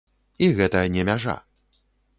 І гэта не мяжа.